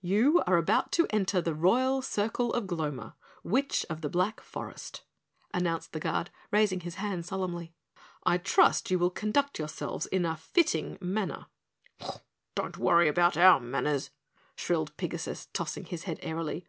"You are about to enter the Royal Circle of Gloma, Witch of the Black Forest," announced the Guard, raising his hand solemnly. "I trust you will conduct yourselves in a fitting manner." "Don't worry about OUR manners," shrilled Pigasus, tossing his head airily.